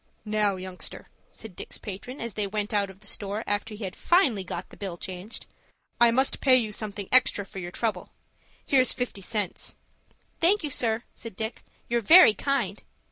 "Now, youngster," said Dick's patron, as they went out of the store, after he had finally got the bill changed. "I must pay you something extra for your trouble. Here's fifty cents." "Thank you, sir," said Dick. "You're very kind.